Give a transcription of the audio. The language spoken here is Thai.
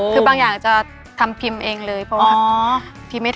คือบางอย่างจะทำพิมพ์เองเลยเพราะว่าพิมพ์ไม่ทัน